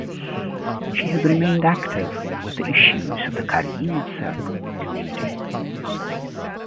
She has remained active with the issues of the Krajina Serb community.